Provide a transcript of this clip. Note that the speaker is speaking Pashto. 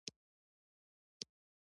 د زړه حملې مخنیوي لپاره ځانګړي درمل شته.